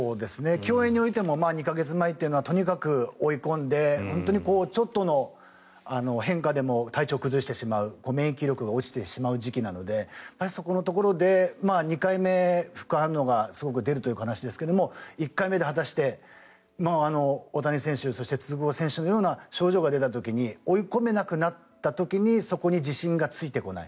競泳においても２か月前はとにかく追い込んで本当にちょっとの変化でも体調を崩してしまう免疫力が落ちてしまう時期なのでそこのところで２回目副反応がすごく出るという話ですが１回目で果たして大谷選手そして、筒香選手のような症状が出た時に追い込めなくなった時にそこに自信がついてこない。